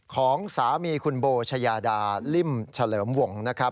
ของสามีคุณโบชายาดาลิ่มเฉลิมวงนะครับ